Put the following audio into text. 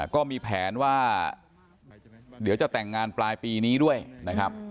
ก็มีแผนว่าเดี๋ยวจะแต่งงานปลายปีนี้ด้วยนะครับ